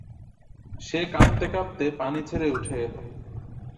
সে কাঁপতে কাঁপতে পানি ছেড়ে উঠে এল।